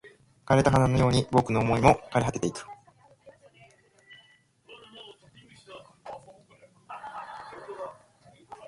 枯れた花のように僕の想いも枯れ果ててゆく